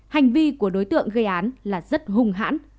hành vi của đối tượng gây án là rất hung hãn